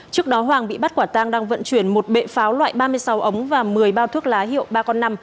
trước đó hoàng bị bắt quả tang đang vận chuyển một bệ pháo loại ba mươi sáu ống và một mươi bao thuốc lá hiệu ba con năm